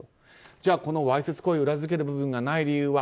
じゃあ、わいせつ行為を裏付ける部分がない理由は？